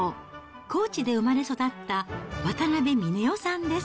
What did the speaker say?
高知で生まれ育った渡辺峰代さんです。